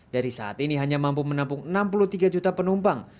dari saat ini hanya mampu menampung enam puluh tiga juta penumpang